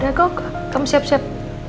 aduh kamu siap siap